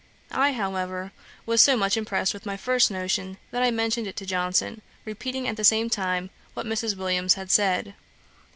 I, however, was so much impressed with my first notion, that I mentioned it to Johnson, repeating, at the same time, what Mrs. Williams had said.